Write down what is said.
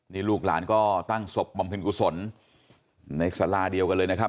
นี่ลูกหลานก็ตั้งศพบำเพ็ญกุศลในสาราเดียวกันเลยนะครับ